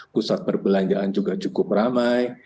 pusat perbelanjaan juga cukup ramai